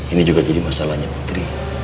ini juga jadi masalahnya putri